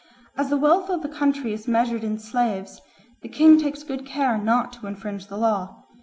As the wealth of the country is measured in slaves, the king takes good care not to infringe the law.